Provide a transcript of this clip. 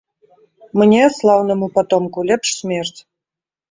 Мне, слаўнаму патомку, лепш смерць.